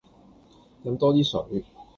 飲多啲水